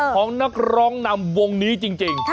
ของนักร้องนำวงนี้จริง